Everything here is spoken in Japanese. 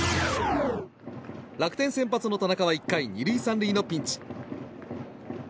楽天先発の田中は１回、２塁３塁のピンチ。